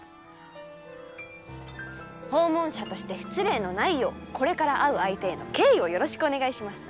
訪問者として失礼のないようこれから会う相手への敬意をよろしくお願いします。